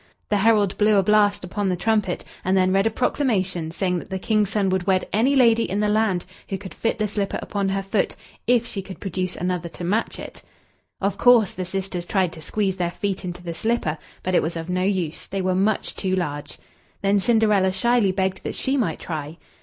The herald blew a blast upon the trumpet, and then read a proclamation saying that the King's son would wed any lady in the land who could fit the slipper upon her foot, if she could produce another to match it. Of course, the sisters tried to squeeze their feet into the slipper, but it was of no use they were much too large. Then Cinderella shyly begged that she might try.